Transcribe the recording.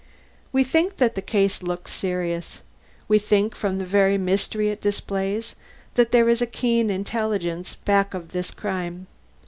"We think that the case looks serious. We think from the very mystery it displays, that there is a keen intelligence back of this crime.